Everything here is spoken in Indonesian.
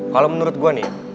kalo menurut gue nih